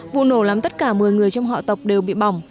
vụ nổ làm tất cả một mươi người trong họ tộc đều bị bỏng